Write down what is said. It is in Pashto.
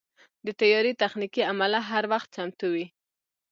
د طیارې تخنیکي عمله هر وخت چمتو وي.